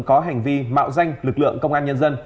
có hành vi mạo danh lực lượng công an nhân dân